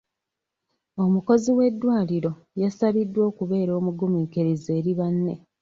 Omukozi w'eddwaliro yasabiddwa okubeera omugumiikiriza eri banne.